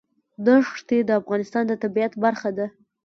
دښتې د افغانستان د طبیعت برخه ده.